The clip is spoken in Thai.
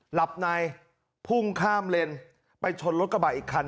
หลับในพุ่งข้ามเลนไปชนรถกระบะอีกคัน